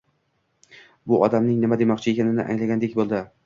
bu odamning nima demoqchi ekanini anglagandek bo‘ldi.